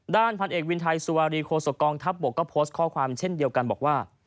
ด้านพันเอกวินไทยสุวารีโคศกองทัพบกก็โพสต์ข้อความเช่นเดียวกันบอกว่า